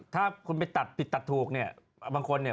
ถ้าคุณไปตัดติดตัดถูกเนี่ย